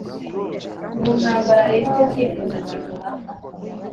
Mu ntambara rero icyo cyifuzo kiguha